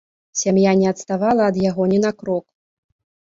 Сям'я не адставала ад яго ні на крок.